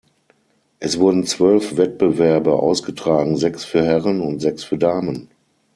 Es wurden zwölf Wettbewerbe ausgetragen, sechs für Herren und sechs für Damen.